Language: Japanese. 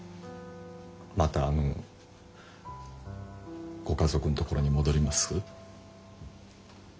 またあのご家族のところに戻ります？